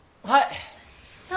はい。